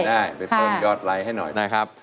ได้ไปเพิ่มยอดไลค์ให้หน่อยนะครับ